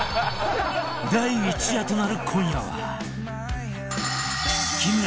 第一夜となる今夜は